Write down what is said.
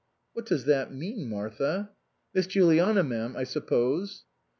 " What does that mean, Martha ?"" Miss Juliana m'm, I suppose."